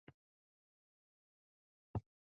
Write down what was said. يوالي د هري کور او ټولني او هيواد د بری لمړي شرط دي